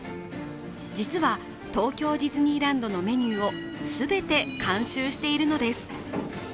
実は、東京ディズニーランドのメニューを全て監修しているのです。